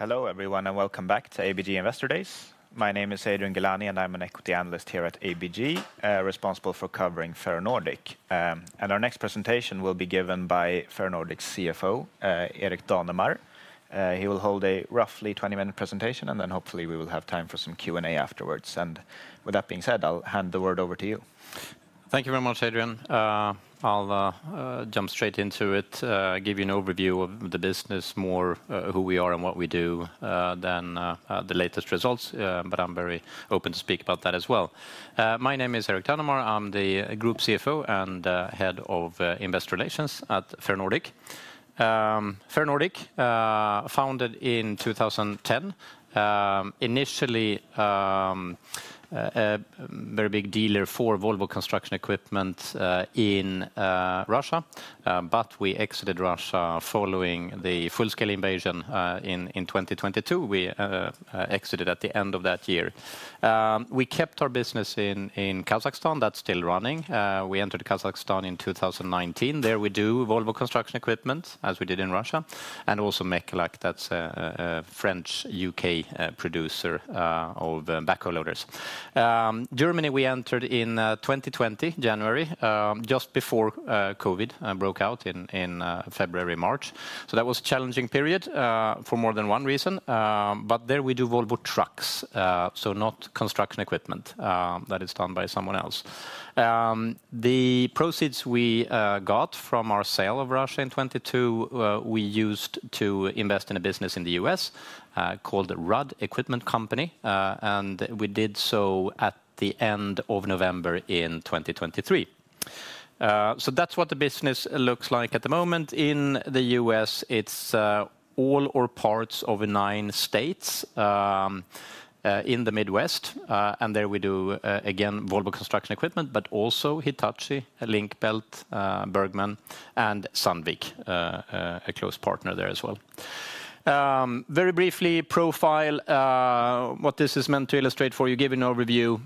Hello everyone and welcome back to ABG Investor Days. My name is Adrian Gilani and I'm an equity analyst here at ABG, responsible for covering Ferronordic, and our next presentation will be given by Ferronordic's CFO, Erik Danemar. He will hold a roughly 20-minute presentation and then hopefully we will have time for some Q&A afterwards, and with that being said, I'll hand the word over to you. Thank you very much, Adrian. I'll jump straight into it, give you an overview of the business, more who we are and what we do than the latest results. But I'm very open to speak about that as well. My name is Erik Danemar. I'm the Group CFO and Head of Investor Relations at Ferronordic. Ferronordic was founded in 2010, initially a very big dealer for Volvo Construction Equipment in Russia, but we exited Russia following the full-scale invasion in 2022. We exited at the end of that year. We kept our business in Kazakhstan that's still running. We entered Kazakhstan in 2019. There we do Volvo Construction Equipment as we did in Russia and also Mecalac, that's a French-UK producer of backhoe loaders. Germany we entered in 2020, January, just before COVID broke out in February/March. So that was a challenging period for more than one reason. But there we do Volvo Trucks, so not construction equipment that is done by someone else. The proceeds we got from our sale of Russia in 2022, we used to invest in a business in the U.S. called the Rudd Equipment Company. And we did so at the end of November in 2023. So that's what the business looks like at the moment in the U.S. It's all or parts of nine states in the Midwest. And there we do, again, Volvo Construction Equipment, but also Hitachi, Link-Belt, Bergmann, and Sandvik, a close partner there as well. Very briefly, profile, what this is meant to illustrate for you, give you an overview: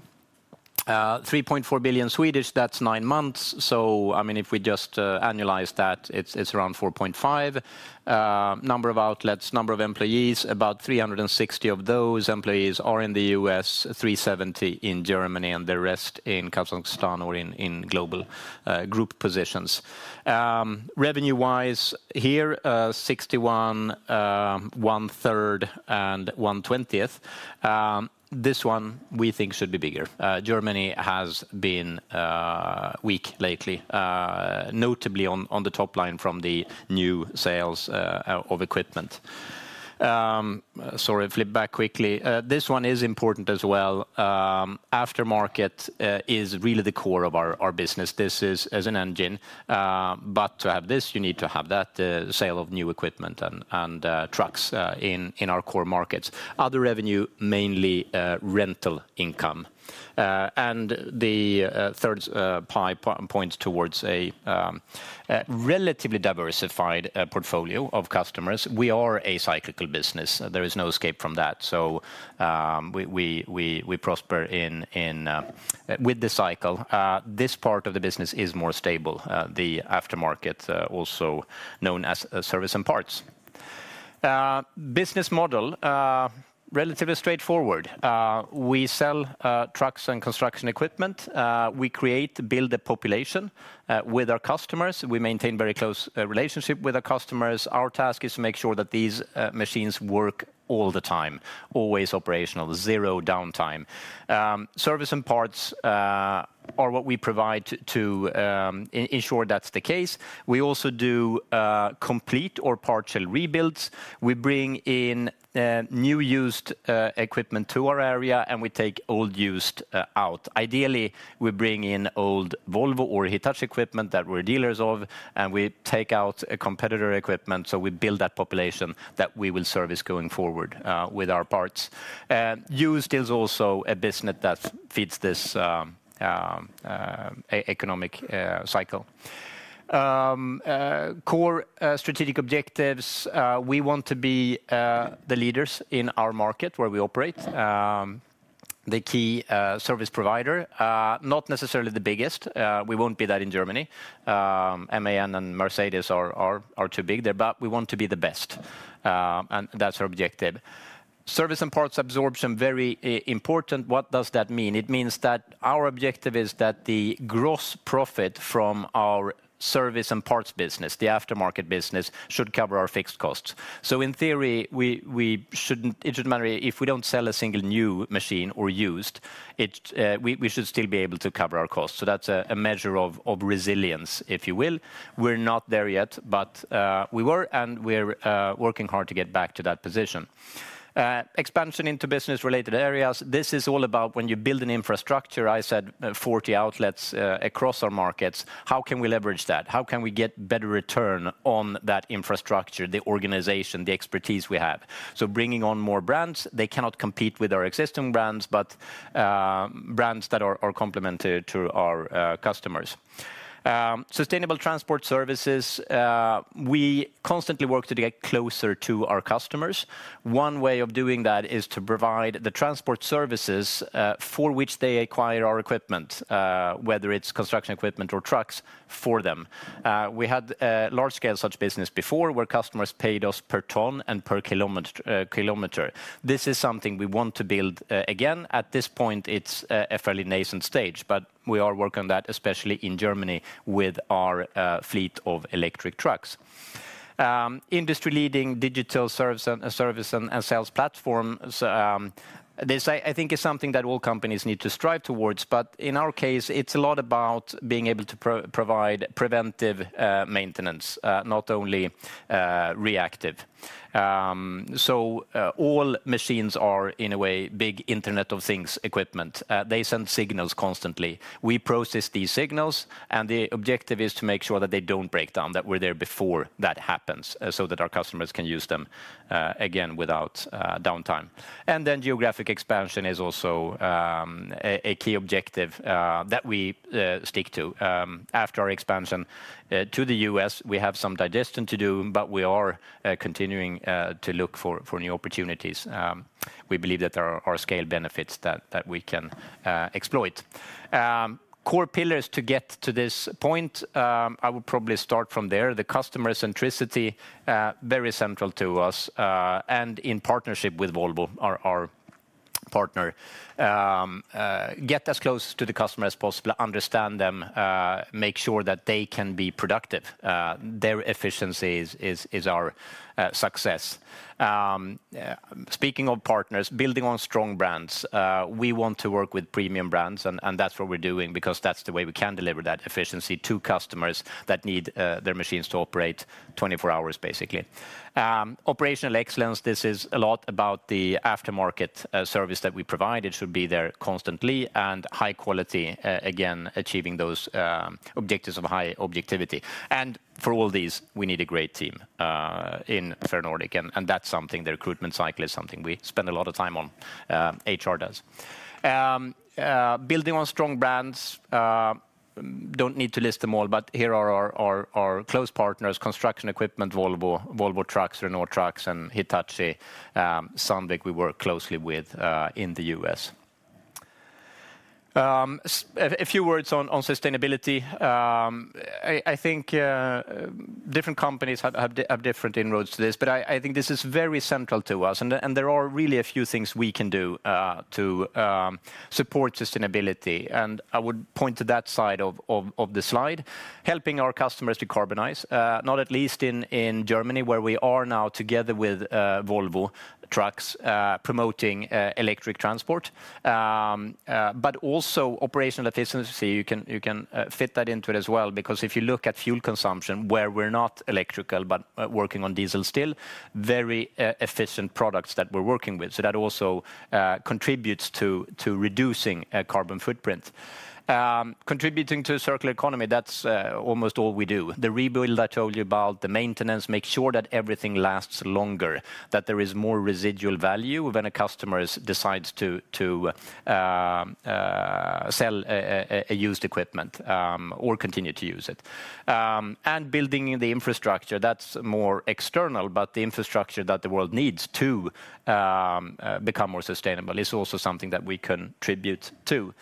3.4 billion, that's nine months. So I mean, if we just annualize that, it's around 4.5. Number of outlets, number of employees, about 360 of those employees are in the U.S., 370 in Germany, and the rest in Kazakhstan or in global group positions. Revenue-wise here, 61, one-third, and one-twentieth. This one we think should be bigger. Germany has been weak lately, notably on the top line from the new sales of equipment. Sorry, flip back quickly. This one is important as well. Aftermarket is really the core of our business. This is as an engine. But to have this, you need to have that sale of new equipment and trucks in our core markets. Other revenue, mainly rental income. The third pie points towards a relatively diversified portfolio of customers. We are a cyclical business. There is no escape from that. We prosper with the cycle. This part of the business is more stable. The aftermarket, also known as service and parts. Business model, relatively straightforward. We sell trucks and construction equipment. We create, build a population with our customers. We maintain a very close relationship with our customers. Our task is to make sure that these machines work all the time, always operational, zero downtime. Service and parts are what we provide to ensure that's the case. We also do complete or partial rebuilds. We bring in new used equipment to our area and we take old used out. Ideally, we bring in old Volvo or Hitachi equipment that we're dealers of and we take out competitor equipment. So we build that population that we will service going forward with our parts. Used is also a business that feeds this economic cycle. Core strategic objectives, we want to be the leaders in our market where we operate, the key service provider, not necessarily the biggest. We won't be that in Germany. MAN and Mercedes are too big there, but we want to be the best, and that's our objective. Service and parts absorption, very important. What does that mean? It means that our objective is that the gross profit from our service and parts business, the aftermarket business, should cover our fixed costs, so in theory, it shouldn't matter if we don't sell a single new machine or used; we should still be able to cover our costs, so that's a measure of resilience, if you will. We're not there yet, but we were and we're working hard to get back to that position. Expansion into business-related areas, this is all about when you build an infrastructure. I said 40 outlets across our markets. How can we leverage that? How can we get better return on that infrastructure, the organization, the expertise we have? So, bringing on more brands, they cannot compete with our existing brands, but brands that are complementary to our customers. Sustainable transport services, we constantly work to get closer to our customers. One way of doing that is to provide the transport services for which they acquire our equipment, whether it's construction equipment or trucks for them. We had large-scale such business before where customers paid us per ton and per kilometer. This is something we want to build again. At this point, it's a fairly nascent stage, but we are working on that, especially in Germany with our fleet of electric trucks. Industry-leading digital service and sales platforms, this I think is something that all companies need to strive towards. But in our case, it's a lot about being able to provide preventive maintenance, not only reactive. So all machines are in a way big Internet of Things equipment. They send signals constantly. We process these signals and the objective is to make sure that they don't break down, that we're there before that happens so that our customers can use them again without downtime. And then geographic expansion is also a key objective that we stick to. After our expansion to the U.S., we have some digestion to do, but we are continuing to look for new opportunities. We believe that there are scale benefits that we can exploit. Core pillars to get to this point, I would probably start from there. The customer centricity, very central to us and in partnership with Volvo, our partner. Get as close to the customer as possible, understand them, make sure that they can be productive. Their efficiency is our success. Speaking of partners, building on strong brands, we want to work with premium brands, and that's what we're doing because that's the way we can deliver that efficiency to customers that need their machines to operate 24 hours basically. Operational excellence. This is a lot about the aftermarket service that we provide. It should be there constantly and high quality, again, achieving those objectives of high uptime. For all these, we need a great team in Ferronordic. That's something. The recruitment cycle is something we spend a lot of time on. HR does. Building on strong brands, don't need to list them all, but here are our close partners: construction equipment, Volvo, Volvo Trucks, Renault Trucks, and Hitachi, Sandvik, we work closely with in the U.S. A few words on sustainability. I think different companies have different inroads to this, but I think this is very central to us. And there are really a few things we can do to support sustainability. And I would point to that side of the slide, helping our customers to decarbonize, not least in Germany where we are now together with Volvo Trucks promoting electric transport, but also operational efficiency. You can fit that into it as well because if you look at fuel consumption where we're not electric but working on diesel still, very efficient products that we're working with. So that also contributes to reducing carbon footprint. Contributing to a circular economy, that's almost all we do. The rebuild I told you about, the maintenance, make sure that everything lasts longer, that there is more residual value when a customer decides to sell a used equipment or continue to use it. Building the infrastructure, that's more external, but the infrastructure that the world needs to become more sustainable is also something that we contribute to.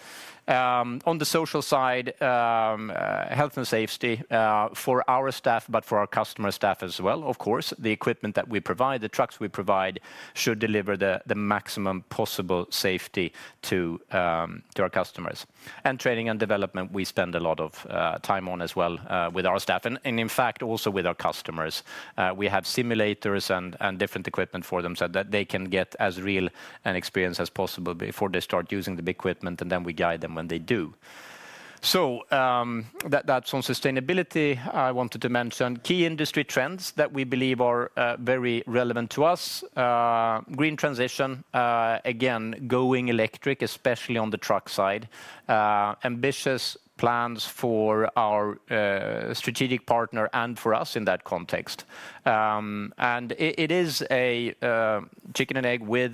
On the social side, health and safety for our staff, but for our customer staff as well, of course. The equipment that we provide, the trucks we provide should deliver the maximum possible safety to our customers. Training and development we spend a lot of time on as well with our staff and in fact also with our customers. We have simulators and different equipment for them so that they can get as real an experience as possible before they start using the big equipment and then we guide them when they do. That's on sustainability. I wanted to mention key industry trends that we believe are very relevant to us. Green transition, again, going electric, especially on the truck side. Ambitious plans for our strategic partner and for us in that context, and it is a chicken and egg with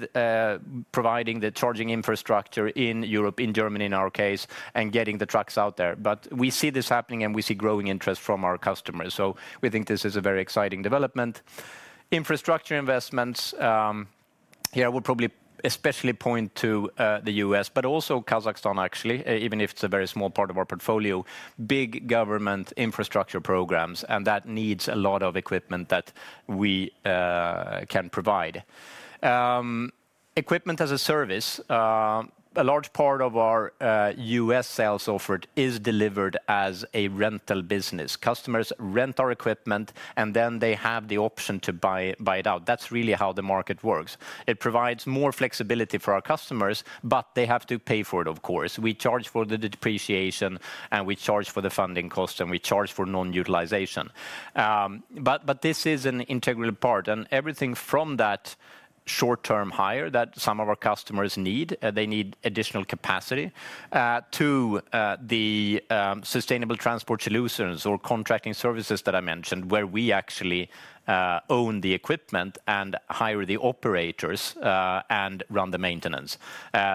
providing the charging infrastructure in Europe, in Germany in our case, and getting the trucks out there. But we see this happening and we see growing interest from our customers, so we think this is a very exciting development. Infrastructure investments, here I would probably especially point to the U.S., but also Kazakhstan actually, even if it's a very small part of our portfolio. Big government infrastructure programs and that needs a lot of equipment that we can provide. Equipment as a service, a large part of our U.S. sales offered is delivered as a rental business. Customers rent our equipment and then they have the option to buy it out. That's really how the market works. It provides more flexibility for our customers, but they have to pay for it, of course. We charge for the depreciation and we charge for the funding costs and we charge for non-utilization. But this is an integral part and everything from that short-term hire that some of our customers need, they need additional capacity to the sustainable transport solutions or contracting services that I mentioned where we actually own the equipment and hire the operators and run the maintenance.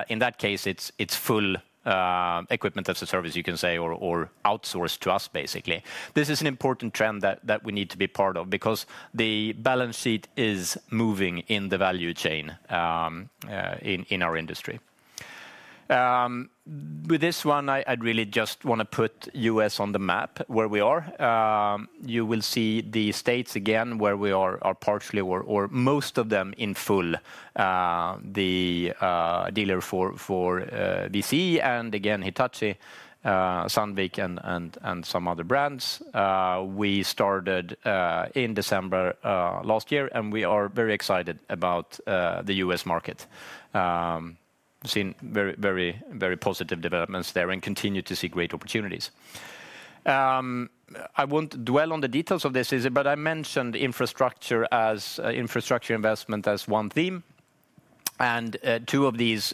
In that case, it's full equipment as a service you can say or outsourced to us basically. This is an important trend that we need to be part of because the balance sheet is moving in the value chain in our industry. With this one, I really just want to put U.S. on the map where we are. You will see the states again where we are partially or most of them in full. The dealer for VCE and again Hitachi, Sandvik and some other brands. We started in December last year and we are very excited about the U.S. market. We've seen very, very positive developments there and continue to see great opportunities. I won't dwell on the details of this, but I mentioned infrastructure as infrastructure investment as one theme, and two of these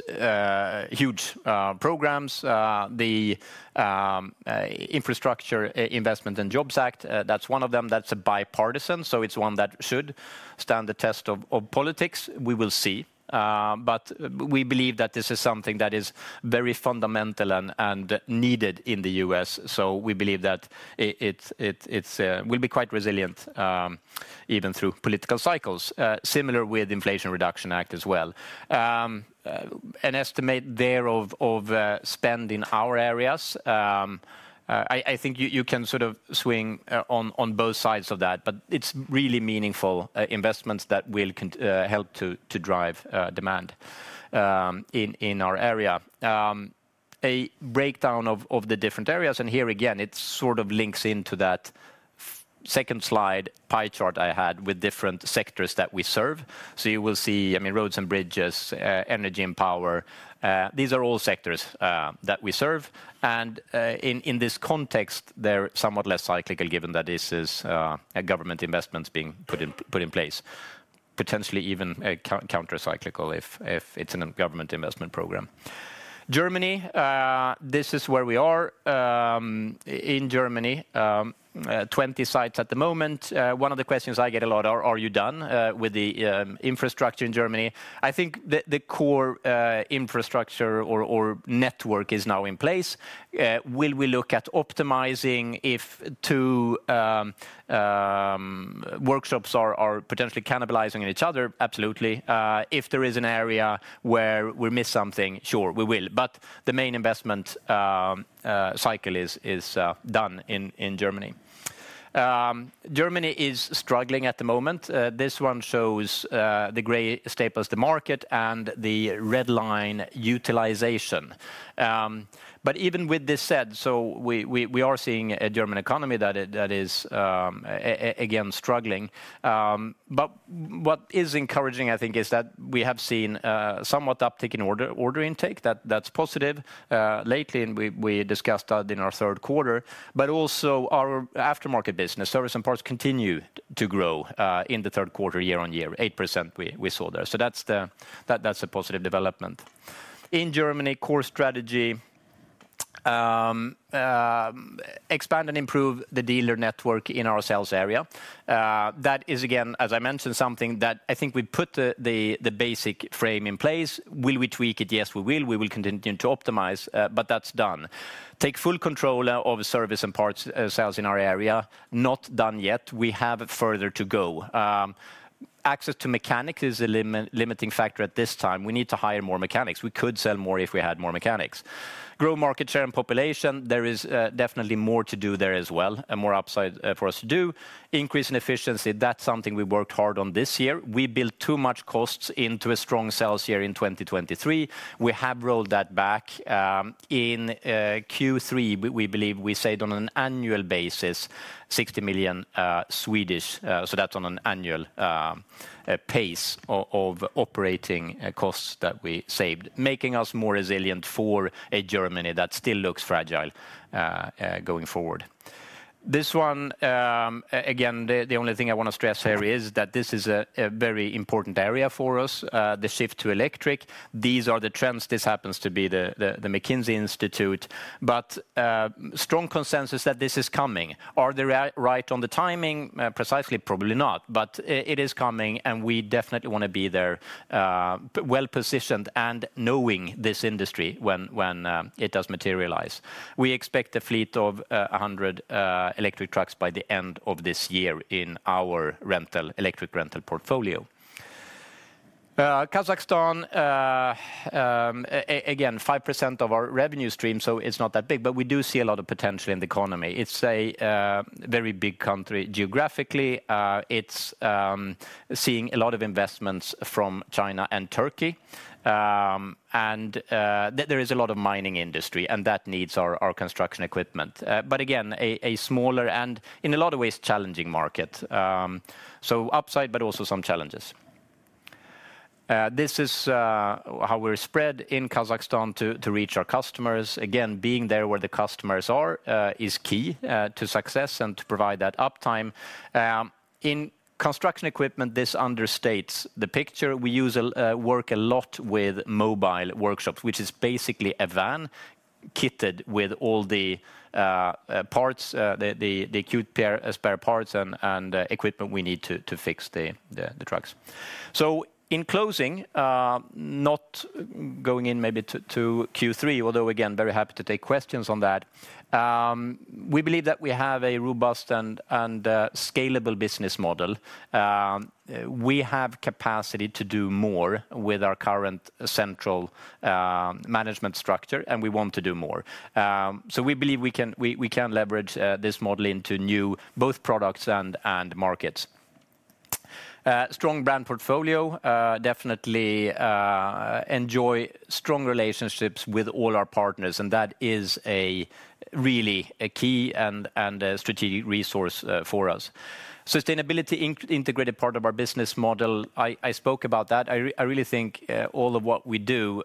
huge programs, the Infrastructure Investment and Jobs Act, that's one of them. That's a bipartisan, so it's one that should stand the test of politics. We will see, but we believe that this is something that is very fundamental and needed in the U.S. We believe that it will be quite resilient even through political cycles. Similar with the Inflation Reduction Act as well. An estimate there of spend in our areas. I think you can sort of swing on both sides of that, but it's really meaningful investments that will help to drive demand in our area. A breakdown of the different areas and here again, it sort of links into that second slide pie chart I had with different sectors that we serve. So you will see, I mean, roads and bridges, energy and power. These are all sectors that we serve. And in this context, they're somewhat less cyclical given that this is government investments being put in place, potentially even countercyclical if it's a government investment program. Germany, this is where we are in Germany, 20 sites at the moment. One of the questions I get a lot are, are you done with the infrastructure in Germany? I think the core infrastructure or network is now in place. Will we look at optimizing if two workshops are potentially cannibalizing each other? Absolutely. If there is an area where we miss something, sure we will. But the main investment cycle is done in Germany. Germany is struggling at the moment. This one shows the gray staples, the market and the red line utilization. But even with this said, so we are seeing a German economy that is again struggling. But what is encouraging, I think, is that we have seen somewhat uptick in order intake. That's positive. Lately, we discussed that in our third quarter, but also our aftermarket business, service and parts continue to grow in the third quarter year-on-year, 8% we saw there. So that's a positive development. In Germany, core strategy, expand and improve the dealer network in our sales area. That is again, as I mentioned, something that I think we put the basic frame in place. Will we tweak it? Yes, we will. We will continue to optimize, but that's done. Take full control of service and parts sales in our area. Not done yet. We have further to go. Access to mechanics is a limiting factor at this time. We need to hire more mechanics. We could sell more if we had more mechanics. Grow market share and population. There is definitely more to do there as well and more upside for us to do. Increase in efficiency, that's something we worked hard on this year. We built too much costs into a strong sales year in 2023. We have rolled that back. In Q3, we believe we saved on an annual basis, 60 million. So that's on an annual pace of operating costs that we saved, making us more resilient for a Germany that still looks fragile going forward. This one, again, the only thing I want to stress here is that this is a very important area for us, the shift to electric. These are the trends. This happens to be the McKinsey Institute, but strong consensus that this is coming. Are they right on the timing? Precisely, probably not, but it is coming and we definitely want to be there well positioned and knowing this industry when it does materialize. We expect a fleet of 100 electric trucks by the end of this year in our rental, electric rental portfolio. Kazakhstan, again, 5% of our revenue stream, so it's not that big, but we do see a lot of potential in the economy. It's a very big country geographically. It's seeing a lot of investments from China and Turkey. And there is a lot of mining industry and that needs our construction equipment. But again, a smaller and in a lot of ways challenging market. So upside, but also some challenges. This is how we're spread in Kazakhstan to reach our customers. Again, being there where the customers are is key to success and to provide that uptime. In construction equipment, this understates the picture. We work a lot with mobile workshops, which is basically a van kitted with all the parts, the acute spare parts and equipment we need to fix the trucks. So in closing, not going in maybe to Q3, although again, very happy to take questions on that. We believe that we have a robust and scalable business model. We have capacity to do more with our current central management structure and we want to do more, so we believe we can leverage this model into new both products and markets. Strong brand portfolio. We definitely enjoy strong relationships with all our partners and that is really a key and strategic resource for us. Sustainability, integrated part of our business model. I spoke about that. I really think all of what we do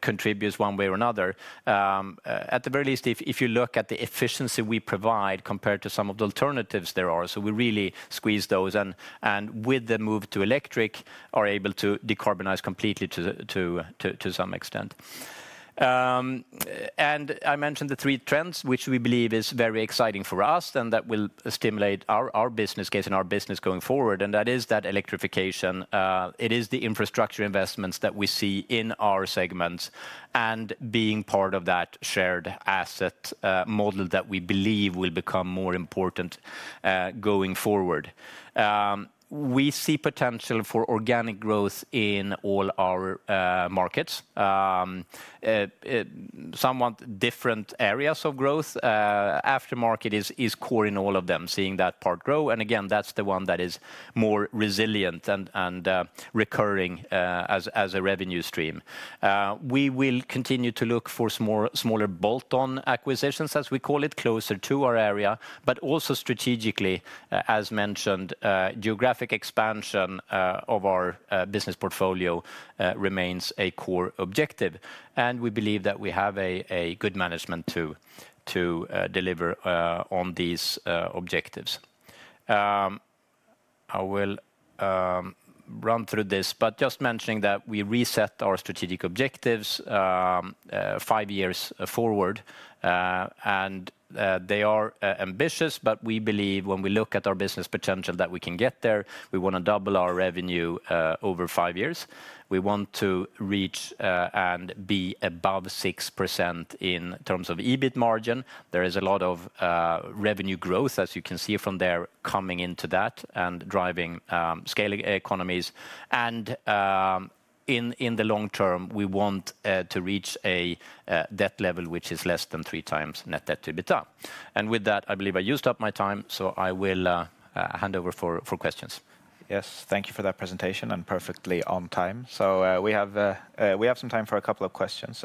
contributes one way or another. At the very least, if you look at the efficiency we provide compared to some of the alternatives there are, so we really squeeze those and with the move to electric, are able to decarbonize completely to some extent. I mentioned the three trends, which we believe is very exciting for us and that will stimulate our business case and our business going forward, and that is that electrification. It is the infrastructure investments that we see in our segments and being part of that shared asset model that we believe will become more important going forward. We see potential for organic growth in all our markets. Some want different areas of growth. Aftermarket is core in all of them, seeing that part grow. And again, that's the one that is more resilient and recurring as a revenue stream. We will continue to look for smaller bolt-on acquisitions, as we call it, closer to our area, but also strategically, as mentioned, geographic expansion of our business portfolio remains a core objective. And we believe that we have a good management to deliver on these objectives. I will run through this, but just mentioning that we reset our strategic objectives five years forward. And they are ambitious, but we believe when we look at our business potential that we can get there. We want to double our revenue over five years. We want to reach and be above 6% in terms of EBIT margin. There is a lot of revenue growth, as you can see from there, coming into that and driving scaling economies. And in the long term, we want to reach a debt level which is less than three times net debt to EBITDA. And with that, I believe I used up my time, so I will hand over for questions. Yes, thank you for that presentation and perfectly on time. So we have some time for a couple of questions.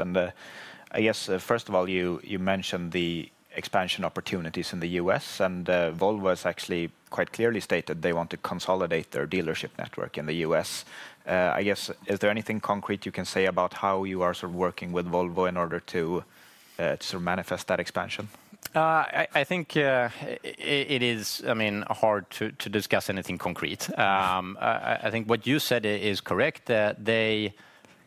I guess first of all, you mentioned the expansion opportunities in the U.S. and Volvo has actually quite clearly stated they want to consolidate their dealership network in the U.S. I guess, is there anything concrete you can say about how you are sort of working with Volvo in order to manifest that expansion? I think it is, I mean, hard to discuss anything concrete. I think what you said is correct. They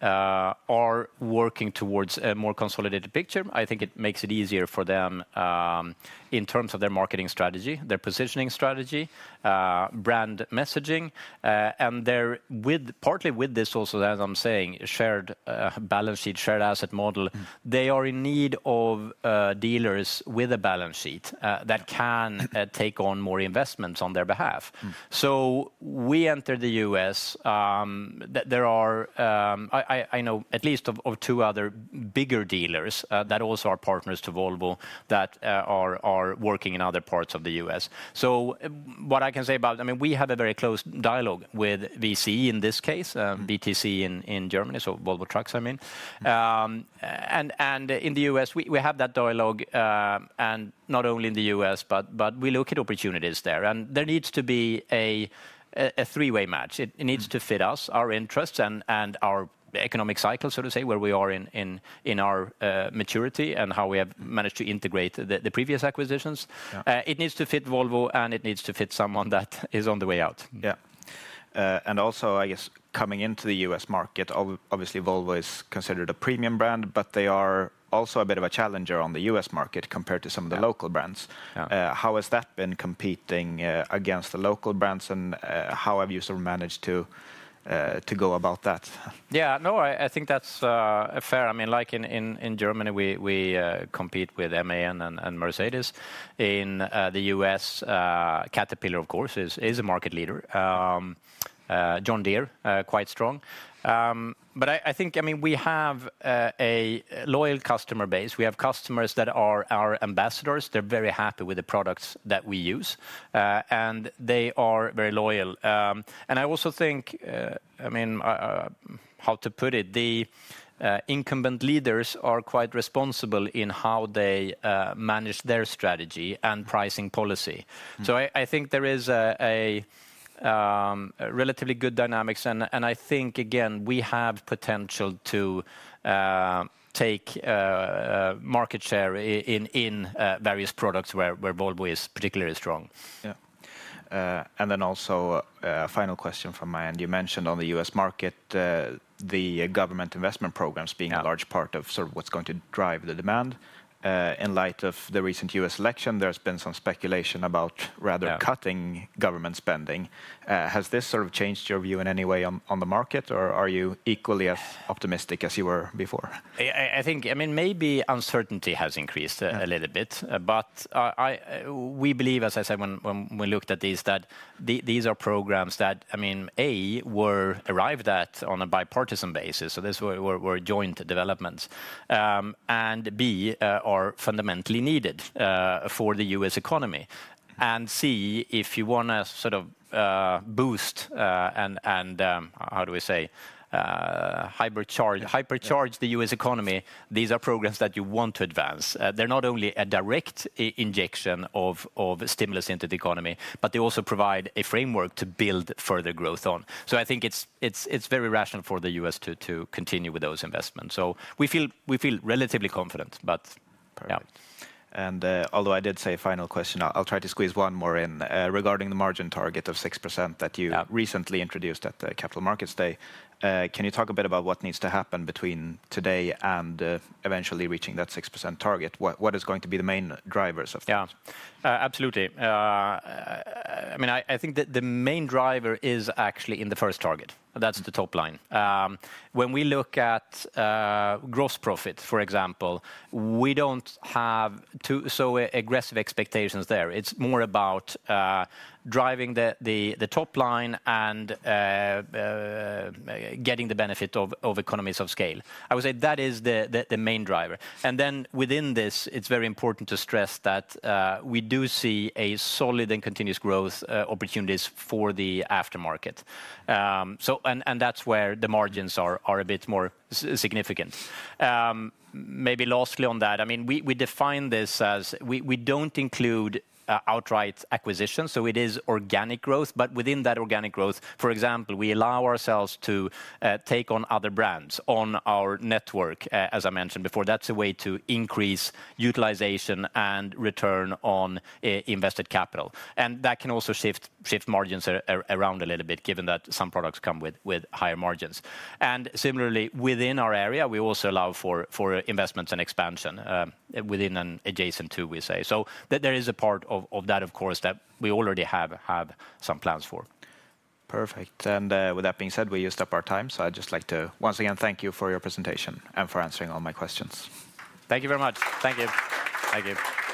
are working towards a more consolidated picture. I think it makes it easier for them in terms of their marketing strategy, their positioning strategy, brand messaging. Partly with this also, as I'm saying, shared balance sheet, shared asset model, they are in need of dealers with a balance sheet that can take on more investments on their behalf. So we entered the U.S. There are. I know at least two other bigger dealers that also are partners to Volvo that are working in other parts of the U.S. So what I can say about, I mean, we have a very close dialogue with VC in this case, VTC in Germany, so Volvo Trucks, I mean. And in the U.S., we have that dialogue and not only in the U.S., but we look at opportunities there. And there needs to be a three-way match. It needs to fit us, our interests and our economic cycle, so to say, where we are in our maturity and how we have managed to integrate the previous acquisitions. It needs to fit Volvo and it needs to fit someone that is on the way out. Yeah. And also, I guess, coming into the U.S. market, obviously Volvo is considered a premium brand, but they are also a bit of a challenger on the U.S. market compared to some of the local brands. How has that been competing against the local brands and how have you sort of managed to go about that? Yeah, no, I think that's fair. I mean, like in Germany, we compete with MAN and Mercedes. In the U.S., Caterpillar, of course, is a market leader. John Deere, quite strong. But I think, I mean, we have a loyal customer base. We have customers that are our ambassadors. They're very happy with the products that we use. And they are very loyal. And I also think, I mean, how to put it, the incumbent leaders are quite responsible in how they manage their strategy and pricing policy. So I think there is a relatively good dynamics. And I think, again, we have potential to take market share in various products where Volvo is particularly strong. Yeah. And then also a final question from my end. You mentioned on the U.S. market, the government investment programs being a large part of sort of what's going to drive the demand. In light of the recent U.S. election, there's been some speculation about rather cutting government spending. Has this sort of changed your view in any way on the market or are you equally as optimistic as you were before? I think, I mean, maybe uncertainty has increased a little bit, but we believe, as I said, when we looked at these, that these are programs that, I mean, A, were arrived at on a bipartisan basis. So these were joint developments. And B, are fundamentally needed for the U.S. economy. And C, if you want to sort of boost and how do we say, hypercharge the U.S. economy, these are programs that you want to advance. They're not only a direct injection of stimulus into the economy, but they also provide a framework to build further growth on. So I think it's very rational for the U.S. to continue with those investments. So we feel relatively confident, but yeah. And although I did say a final question, I'll try to squeeze one more in regarding the margin target of 6% that you recently introduced at the Capital Markets Day. Can you talk a bit about what needs to happen between today and eventually reaching that 6% target? What is going to be the main drivers of that? Yeah, absolutely. I mean, I think the main driver is actually in the first target. That's the top line. When we look at gross profit, for example, we don't have so aggressive expectations there. It's more about driving the top line and getting the benefit of economies of scale. I would say that is the main driver. And then within this, it's very important to stress that we do see a solid and continuous growth opportunities for the aftermarket. And that's where the margins are a bit more significant. Maybe lastly on that, I mean, we define this as we don't include outright acquisitions. So it is organic growth, but within that organic growth, for example, we allow ourselves to take on other brands on our network, as I mentioned before. That's a way to increase utilization and return on invested capital. And that can also shift margins around a little bit, given that some products come with higher margins. And similarly, within our area, we also allow for investments and expansion within an adjacent too, we say. So there is a part of that, of course, that we already have some plans for. Perfect. And with that being said, we used up our time. So I'd just like to once again thank you for your presentation and for answering all my questions. Thank you very much. Thank you. Thank you.